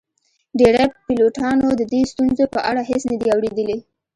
ډیری پیلوټانو د دې ستونزو په اړه هیڅ نه دي اوریدلي